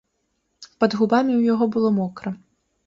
Пад губамі ў яго было мокра.